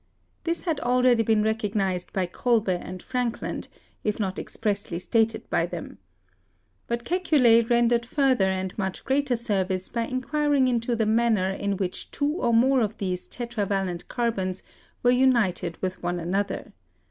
This had already been recognised by Kolbe and Frankland, if not expressly stated by them. But Kekule rendered further and much greater service by inquiring into the manner in which two or more of these tetravalent carbons were united with one another.